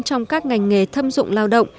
trong các ngành nghề thâm dụng lao động